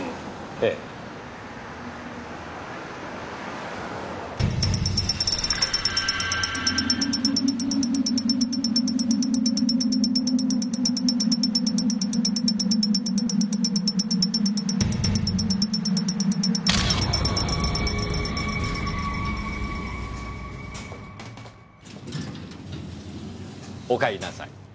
ええ。お帰りなさい。